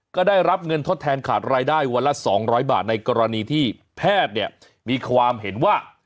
ก็ได้รับเงินทดแทนขาดรายได้วันละ๒๐๐บาทในกรณีที่แพทย์เนี่ยมีความเห็นว่า